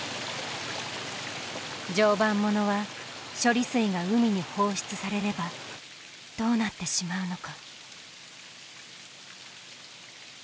常磐ものは処理水が海に放出されればどうなってしまうのか。